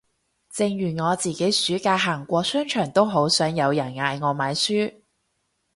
正如我自己暑假行過商場都好想有人嗌我買書